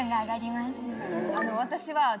私は。